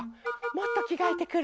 もっときがえてくる。